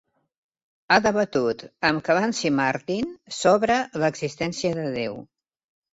Ha debatut amb Clancy Martin sobre l'existència de Déu.